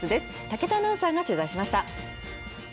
武田アナウンサーが取材しました。